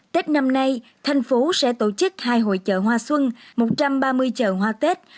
tết năm nay thành phố sẽ tổ chức hai hội chợ hoa xuân một trăm ba mươi chợ hoa tết